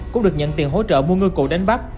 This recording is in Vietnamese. cũng được nhận tiền hỗ trợ mua ngư cụ đánh bắt